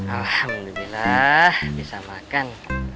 alhamdulillah bisa makan